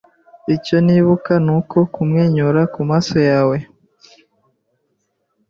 Icyo nibuka nuko kumwenyura kumaso yawe